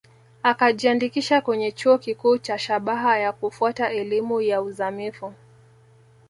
Akajiandikisha kwenye chuo kikuu kwa shabaha ya kufuata elimu ya uzamivu